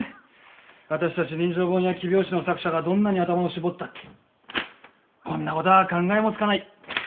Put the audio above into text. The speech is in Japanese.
私達人情本や黄表紙の作者がどんなに頭を絞ったってこんな事は考えもつかない。